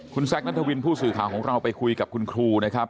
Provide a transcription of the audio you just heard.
คุณแซคนัทวินผู้สื่อข่าวของเราไปคุยกับคุณครูนะครับ